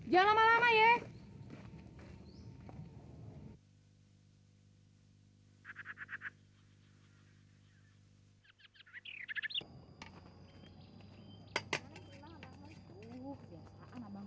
jangan lama lama ya